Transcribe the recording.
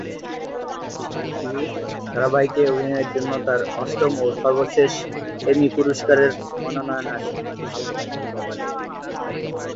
এই টিভি ধারাবাহিকে অভিনয়ের জন্য তার অষ্টম ও সর্বশেষ এমি পুরস্কারের মনোনয়ন আসে।